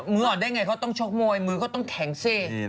มืออ่อนได้ไงเค้าต้องชดโม้แก่งซิ